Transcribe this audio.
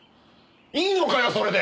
いいのかよそれで？